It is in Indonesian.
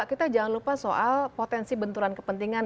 kita jangan lupa soal potensi benturan kepentingan